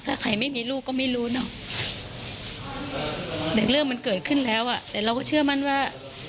ถ้าใครไม่มีลูกก็ไม่รู้เนอะแต่เรื่องมันเกิดขึ้นแล้วอ่ะแต่เราก็เชื่อมั่นว่า